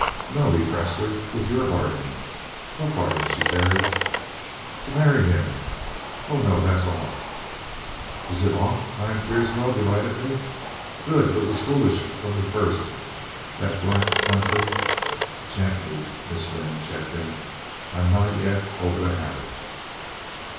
"No," he pressed her, "with your bargain?" "What bargain?" she parried. "To marry him." "Oh, no; that's off." "Is it off?" cried Teerswell delightedly. "Good! It was foolish from the first that black country " "Gently," Miss Wynn checked him. "I'm not yet over the habit."